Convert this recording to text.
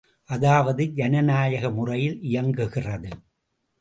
அதாவது ஜனநாயக முறையில் இயங்குகிறது.